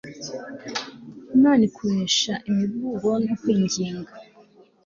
Imana ikoresha imiburo no kwinginga